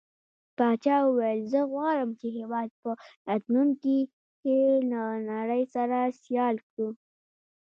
پاچا وويل: زه غواړم چې هيواد په راتلونکي کې له نړۍ سره سيال کړو.